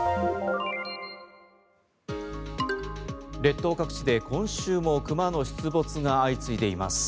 列島各地で今週も熊の出没が相次いでいます。